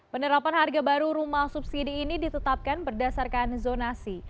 penerapan harga baru rumah subsidi ini ditetapkan berdasarkan zonasi